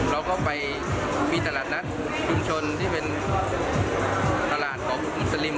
เราก็ไปมีตลาดนัดชุมชนที่เป็นตลาดของมุสลิม